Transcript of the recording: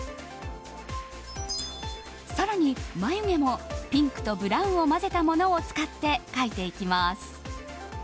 更に眉毛もピンクとブラウンを混ぜたものを使って描いていきます。